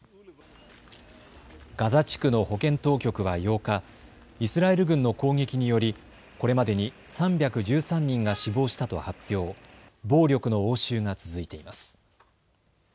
ガザ地区の保健当局は８日、イスラエル軍の攻撃によりこれまでに３１３人が死亡したと発表、暴力の応酬が続いています。